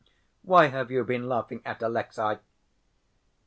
"Why have you been laughing at Alexey?"